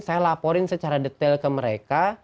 saya laporin secara detail ke mereka